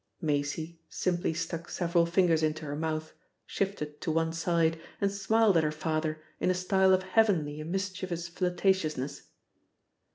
Maisie simply stuck several fingers into her mouth, shifted to one side, and smiled at her father in a style of heavenly and mischievous flirtatiousness.